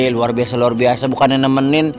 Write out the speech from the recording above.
luar biasa luar biasa bukannya nemenin